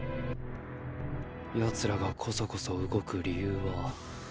奴らがコソコソ動く理由は。